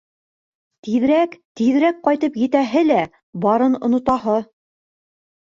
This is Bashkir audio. Тиҙерәк, тиҙерәк ҡайтып етәһе лә барын онотаһы!